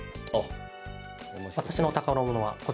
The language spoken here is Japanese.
私の宝物はこちらです。